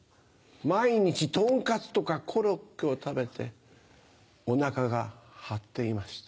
毎日トンカツとかコロッケを食べてお腹が張っていました。